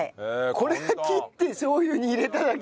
これ切ってしょう油に入れただけ？